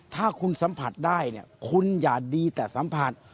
ถ้าคุณสัมผัสได้เนี่ยคุณอย่าดีแต่สัมผัส